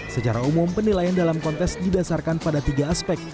secara umum penilaian dalam kontes didasarkan pada tiga aspek